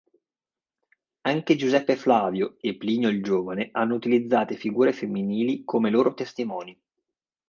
Anche Giuseppe Flavio e Plinio il Giovane hanno utilizzate figure femminili come loro testimoni.